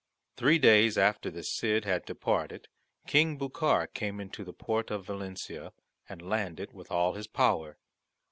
Three days after the Cid had departed King Bucar came into the port of Valencia, and landed with all his power.